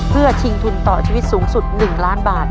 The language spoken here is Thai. เพื่อชิงทุนต่อชีวิตสูงสุด๑ล้านบาท